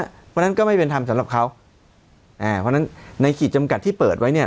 เพราะฉะนั้นก็ไม่เป็นธรรมสำหรับเขาอ่าเพราะฉะนั้นในขีดจำกัดที่เปิดไว้เนี่ย